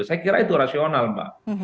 saya kira itu rasional mbak